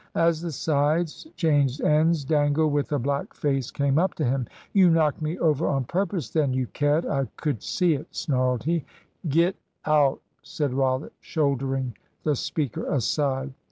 As the sides changed ends, Dangle, with a black face, came up to him. "You knocked me over on purpose then, you cad, I could see it!" snarled he. "Get out!" said Rollitt, shouldering the speaker aside.